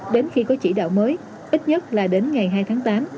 đến khi có chỉ đạo mới ít nhất là đến ngày hai tháng tám